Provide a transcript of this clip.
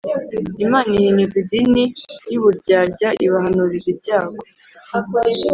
Imana ihinyuza idini y uburyarya ibahanurira ibyago